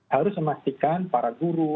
harus memastikan para guru